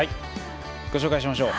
ご紹介しましょう。